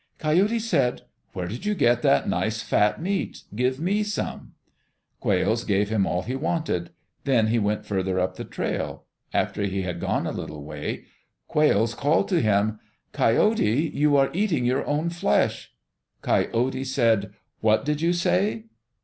Coyote said, "Where did you get that nice, fat meat? Give me some." Quails gave him all he wanted. Then he went farther up the trail. After he had gone a little way, Quails called to him, "Coyote, you were eating your own flesh." Coyote said, "What did you say?"